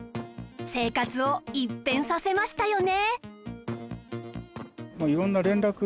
生活を一変させましたよね